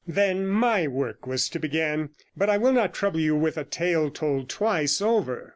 Then my work was to begin, but I will not trouble you with a tale told twice over.